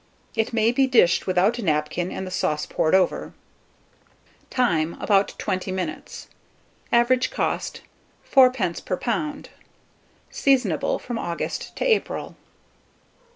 It may be dished without a napkin, and the sauce poured over. Time. About 20 minutes. Average cost, 4d. per lb. Seasonable from August to April.